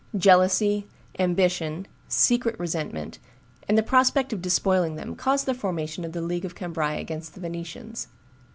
Jealousy, ambition, secret resentment, and the prospect of despoiling them caused the formation of the League of Cambrai against the Venetians.